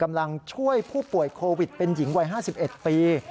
กำลังช่วยผู้ป่วยโควิดเป็นหญิงวัย๕๑ปี